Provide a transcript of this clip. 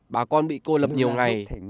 bà con bị cô lập nhiều ngày